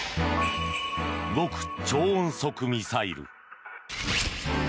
極超音速ミサイル。